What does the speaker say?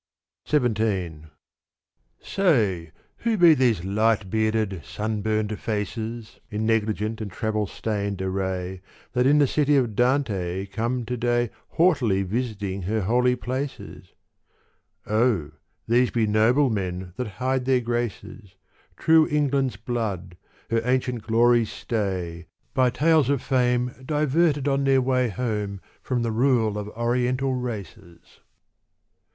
XVII Say who be these light bearded sunburnt faces In negligent and travel stained array That in the city of Dante come to day Haughtily visiting her holy places ? O these be noble men that hide their graces, True England's blood, her ancient glory's stay, By tales of fame diverted on their way Home from the rule of Oriental races.